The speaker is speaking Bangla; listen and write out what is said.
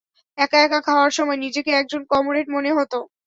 একা একা খাওয়ার সময়ে নিজেকে একজন কমরেড মনে হত।